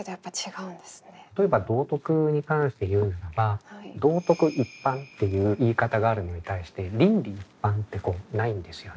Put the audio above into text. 例えば道徳に関して言うならば道徳一般っていう言い方があるのに対して倫理一般ってないんですよね。